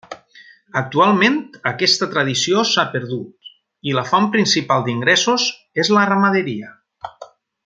Actualment aquesta tradició s'ha perdut i la font principal d'ingressos és la ramaderia.